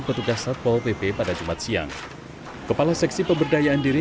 itu rekod dari dinas kesehatan